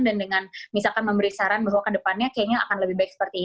dan dengan metakan memberikan saran bahwa ke depannya kayaknya akan lebih baik seperti